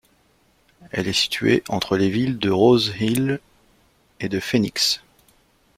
Elle est située entre les villes de Rose-Hill et de Phoenix.